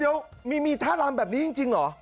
เดี๋ยวมีท่ารำแบบนี้จริงเหรอ